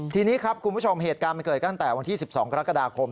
ทีนี้ครับคุณผู้ชมเหตุการณ์มันเกิดตั้งแต่วันที่๑๒กรกฎาคม